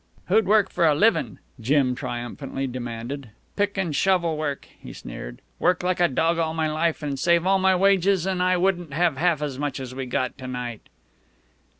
"Who'd work for a livin'?" Jim triumphantly demanded. "Pick an' shovel work!" he sneered. "Work like a dog all my life, an' save all my wages, an' I wouldn't have half as much as we got to night."